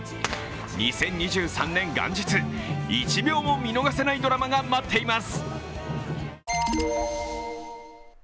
２０２３年元日１秒も見逃せないドラマが待っています。